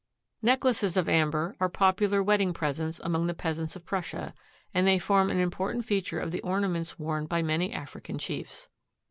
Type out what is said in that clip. Necklaces of amber are popular wedding presents among the peasants of Prussia and they form an important feature of the ornaments worn by many African chiefs.